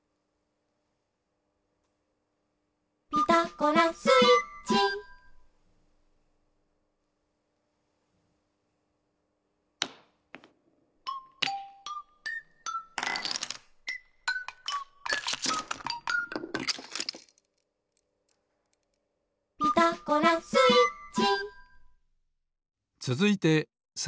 「ピタゴラスイッチ」「ピタゴラスイッチ」